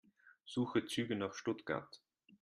Suche Züge nach Stuttgart.